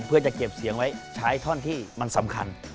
เพื่อจะเก็บเสียงไว้ใช้ท่อนที่มันสำคัญ